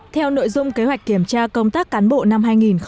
theo nội dung kế hoạch kiểm tra công tác cán bộ năm hai nghìn một mươi chín